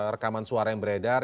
rekaman suara yang beredar